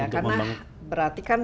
karena berarti kan